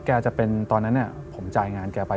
จะเป็นตอนนั้นผมจ่ายงานแกไป